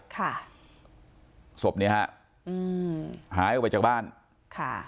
ค่ะศพนี้ฮะหายออกไปจากบ้านค่ะ